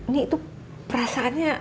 nia itu perasaannya